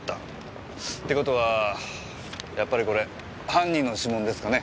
って事はやっぱりこれ犯人の指紋ですかね？